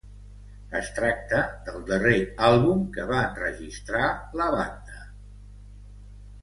Es tracta del darrer àlbum que va enregistrar la banda amb Martin Walkyier a les veus.